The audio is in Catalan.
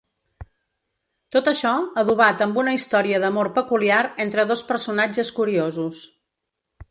Tot això, adobat amb una història d’amor peculiar entre dos personatges curiosos.